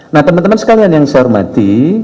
nah teman teman sekalian yang saya hormati